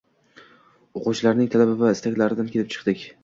Oʻquvchilarning talab va istaklaridan kelib chiqdik.